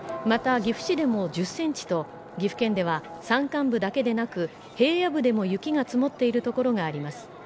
また岐阜市でも１０センチと岐阜県では山間部だけでなく平野部でも雪が積もっている所があります